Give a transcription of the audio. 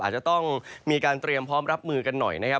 อาจจะต้องมีการเตรียมพร้อมรับมือกันหน่อยนะครับ